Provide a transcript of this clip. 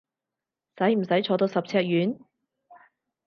使唔使坐到十尺遠？